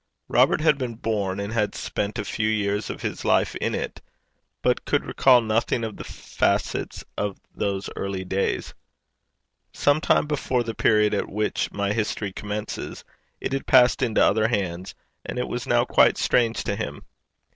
Robert had been born, and had spent a few years of his life in it, but could recall nothing of the facts of those early days. Some time before the period at which my history commences it had passed into other hands, and it was now quite strange to him.